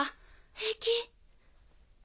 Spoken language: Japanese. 平気。